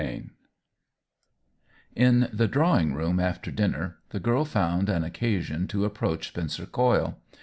IV In the drawing room after dinner the girl found an occasion to approach Spencer Coyle.